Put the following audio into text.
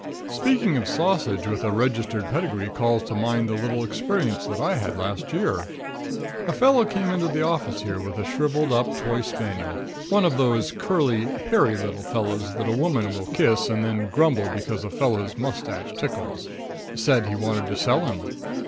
Speaking of sausage with a registered pedigree calls to mind a little experience that I had last year. A fellow came into the office here with a shriveled up toy spaniel, one of those curly, hairy little fellows that a woman will kiss, and then grumble because a fellow's mustache tickles. Said he wanted to sell him.